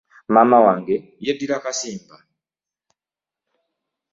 Maama wange yeddira Kasimba.